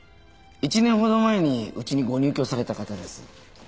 １年ほど前にうちにご入居された方です。